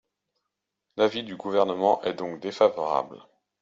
L’avis du Gouvernement est donc défavorable.